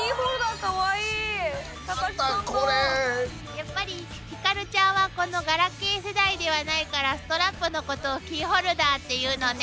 やっぱりひかるちゃんはこのガラケー世代ではないからストラップのことをキーホルダーっていうのね。